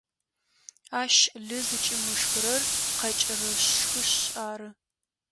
Ащ лы зыкӏимышхырэр къэкӏырышхышъ ары.